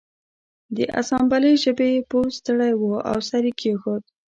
د اسامبلۍ ژبې پوه ستړی و او سر یې کیښود